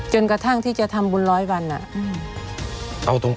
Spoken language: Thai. จนกระทั่งที่จะทำบุญร้อยวัน